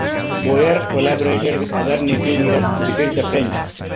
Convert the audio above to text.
Boyer collaborated with other native leaders to defeat the French.